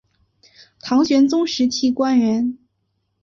唐玄宗时期官员。